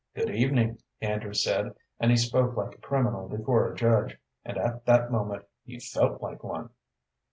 "Good evening," Andrew said, and he spoke like a criminal before a judge, and at that moment he felt like one.